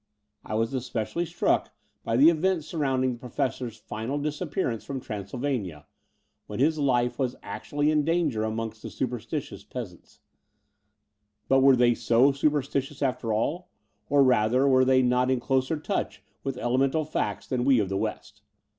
I was especially struck by the i82 The Door of the Unreal events surrounding the Professor's final disappear ance from Transylvania, when his life was actually in danger amongst the superstitious peasants. But were they so superstitious after all; or rather were they not in closer touch with elemental facts than we of the West?